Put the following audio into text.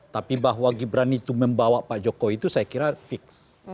tapi bahwa gibran itu membawa pak jokowi itu saya kira fix